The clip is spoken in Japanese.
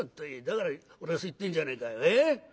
だから俺はそう言ってんじゃねえかよええ？」。